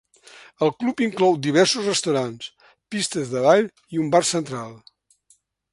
El club inclou diversos restaurants, pistes de ball i un bar central.